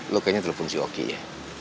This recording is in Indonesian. lo kayaknya telepon si oki ya